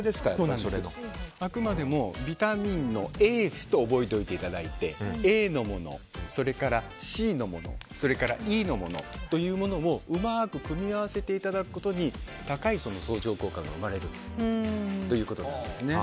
あくまでもビタミンのＡＣＥと覚えていただいてＡのもの、それからＣのものそれからＥのものというのをうまく組み合わせていただくことに高い相乗効果が生まれるということなんですね。